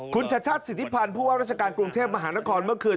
คุณชัชชาติสิทธิพันธ์ผู้ว่าราชการกรุงเทพมหานครเมื่อคืน